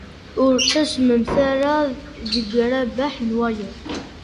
Ur ttasmemt ara deg rrbeḥ n wayeḍ.